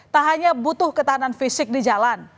tak hanya butuh ketahanan fisik di jalan